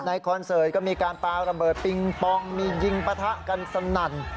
คอนเสิร์ตก็มีการปาระเบิดปิงปองมียิงปะทะกันสนั่น